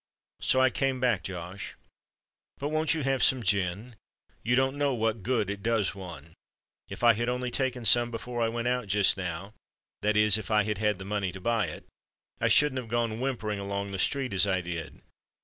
So I came back, Josh. But won't you have some gin? You don't know what good it does one. If I had only taken some before I went out just now—that is, if I had had the money to buy it—I shouldn't have gone whimpering along the street as I did.